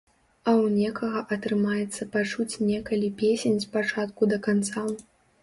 А ў некага атрымаецца пачуць некалі песень з пачатку да канца.